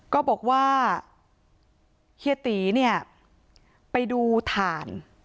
ก็บอกว่าเฮียตีเนี่ยไปดูถ่าน